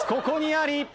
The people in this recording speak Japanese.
ここにあり。